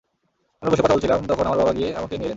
আমরা বসে কথা বলছিলাম, তখন আমার বাবা গিয়ে আমাকে নিয়ে এলেন।